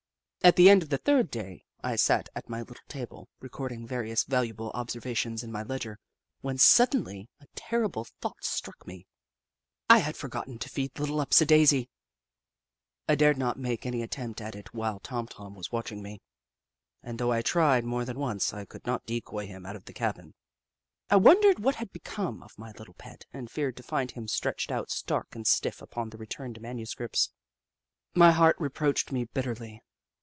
At the end of the third day, I sat at my lit tle table, recording various valuable observa tions in my ledger, when suddenly a terrible thought struck me. I had forgotten to feed Little Upsidaisi ! I dared not make any attempt at it while Tom Tom was watching me, and though I tried more than once, I could not decoy him out of the cabin. I wondered what had become of my little pet, and feared to find him stretched out stark and stiff upon the returned manu scripts. My heart reproached me bitterly.